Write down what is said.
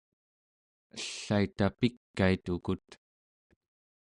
ellaita pikait ukut